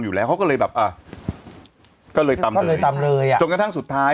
อยู่แล้วเขาก็เลยแบบอ่ะก็เลยตำก็เลยตำเลยอ่ะจนกระทั่งสุดท้าย